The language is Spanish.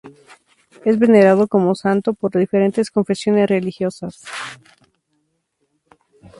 Es venerado como santo por diferentes confesiones religiosas.